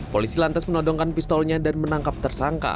polisi lantas menodongkan pistolnya dan menangkap tersangka